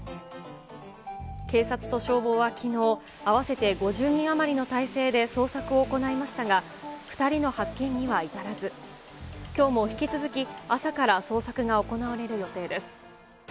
警察と消防はきのう、合わせて５０人余りの態勢で捜索を行いましたが、２人の発見には至らず、きょうも引き続き、朝から捜索が行われる予定です。